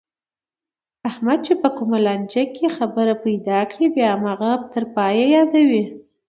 احمد چې په کومه لانجه کې خبره پیدا کړي، بیا هماغه تر پایه یادوي.